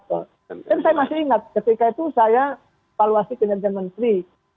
kan saya masih ingat ketika itu saya valuasi kinerja menteri